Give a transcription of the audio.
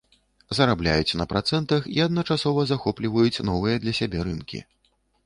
Зарабляюць на працэнтах і адначасова захопліваюць новыя для сябе рынкі.